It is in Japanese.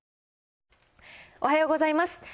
おはようございます。